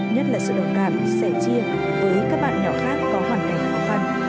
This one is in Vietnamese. nhất là sự đồng cảm sẻ chia với các bạn nhỏ khác có hoàn cảnh khó khăn